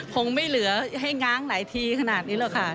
คงไม่เหลือให้ง้างหลายทีขนาดนี้หรอกค่ะ